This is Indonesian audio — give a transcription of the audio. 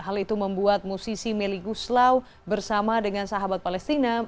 hal itu membuat musisi meli guslau bersama dengan sahabat palestina